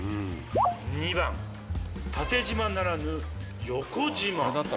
２番縦じまならぬ横じま。